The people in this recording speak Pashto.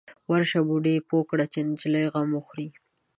_ورشه، بوډۍ پوه که چې د نجلۍ غم وخوري.